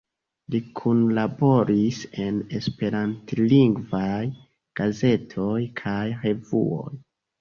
Li kunlaboris en esperantlingvaj gazetoj kaj revuoj.